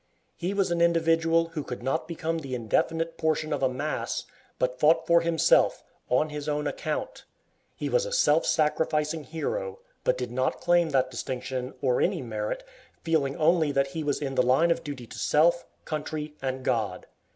He was an individual who could not become the indefinite portion of a mass, but fought for himself, on his own account. He was a self sacrificing hero, but did not claim that distinction or any merit, feeling only that he was in the line of duty to self, country, and God.